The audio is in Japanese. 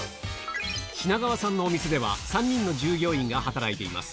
しながわさんのお店では、３人の従業員が働いています。